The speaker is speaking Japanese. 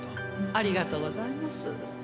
ありがとうございます。